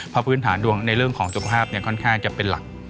เพราะพื้นฐานดวงในเรื่องของสุขภาพค่อนข้างจะเป็นหลัก